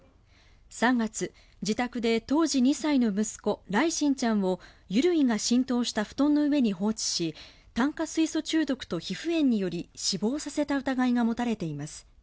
３月、自宅で当時２歳の息子來心ちゃんを油類が浸透した布団の上に放置し炭化水素中毒と皮膚炎により死亡させた疑いが持たれています。